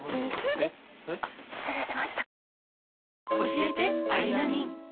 あっ失礼しました。